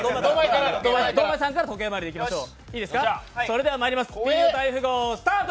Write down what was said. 堂前さんから時計回りでいきましょう。